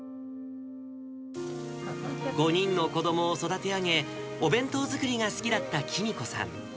５人の子どもを育て上げ、お弁当作りが好きだった喜美子さん。